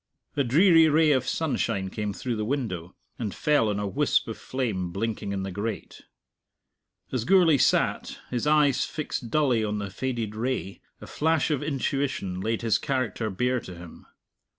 A dreary ray of sunshine came through the window, and fell on a wisp of flame blinking in the grate. As Gourlay sat, his eyes fixed dully on the faded ray, a flash of intuition laid his character bare to him.